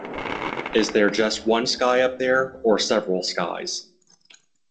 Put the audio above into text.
Is there just one sky up there, or several skies?